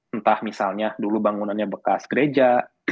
entah misalnya dulu bangunannya bekas gereja